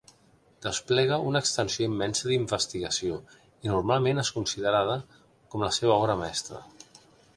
Desplega una extensió immensa d'investigació, i normalment es considerada com la seva obra mestra.